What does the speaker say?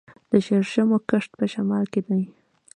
د شړشمو کښت په شمال کې دی.